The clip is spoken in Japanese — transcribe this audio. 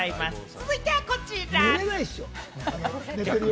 続いてはこちら。